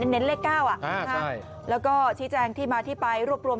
เน้นเลขเก้าอะใช่แล้วก็ฉีดแจงที่มาที่ไปรวบรวม